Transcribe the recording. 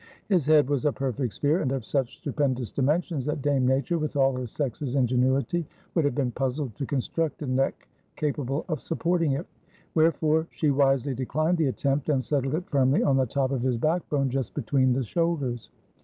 His head was a perfect sphere and of such stupendous dimensions that Dame Nature, with all her sex's ingenuity would have been puzzled to construct a neck capable of supporting it: Wherefore she wisely declined the attempt and settled it firmly on the top of his backbone just between the shoulders....